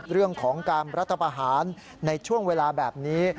เรื่องของการรัฐประหารในช่วงเวลาแบบนี้